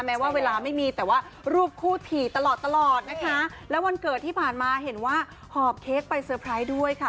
แม้ว่าเวลาไม่มีแต่ว่ารูปคู่ถี่ตลอดตลอดนะคะแล้ววันเกิดที่ผ่านมาเห็นว่าหอบเค้กไปเตอร์ไพรส์ด้วยค่ะ